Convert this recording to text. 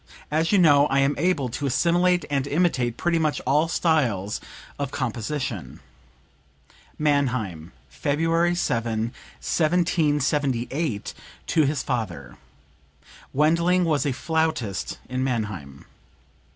As you know I am able to assimilate and imitate pretty much all styles of composition." (Mannheim, February 7, 1778, to his father. Wendling was a flautist in Mannheim.)